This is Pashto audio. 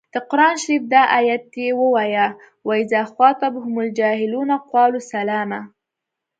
د قران شریف دا ایت یې ووايه و اذا خاطبهم الجاهلون قالو سلاما.